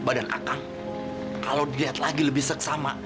akang kalo diliat lagi lebih seksama